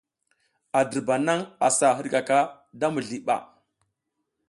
A dirba nang a sa hidkaka da mizli ɓa.